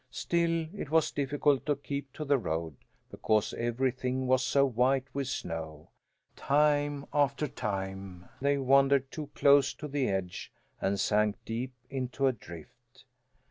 Still it was difficult to keep to the road because everything was so white with snow; time after time they wandered too close to the edge and sank deep into a drift.